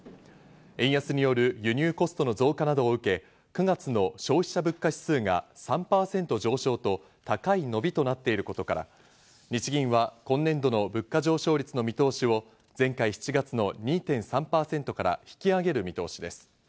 円安による輸入コストの増加など受け９月の消費者物価指数が３％上昇と高い伸びとなっていることから、日銀は今年度の物価上昇率の見通しを前回７月の２．３％から引き上げる見通しです。